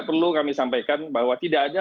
perlu kami sampaikan bahwa tidak ada